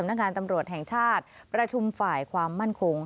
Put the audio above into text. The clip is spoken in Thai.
นักงานตำรวจแห่งชาติประชุมฝ่ายความมั่นคง